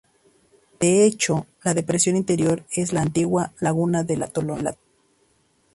De hecho, la depresión interior es la antigua laguna del atolón.